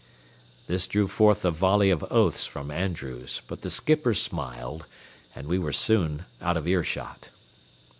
This drew forth a volley of oaths from Andrews, but the skipper smiled, and we were soon out of earshot.